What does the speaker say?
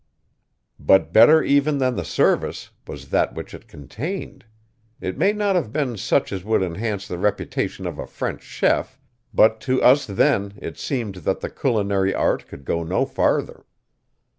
But better even than the service was that which it contained. It may not have been such as would enhance the reputation of a French chef, but to us then it seemed that the culinary art could go no farther.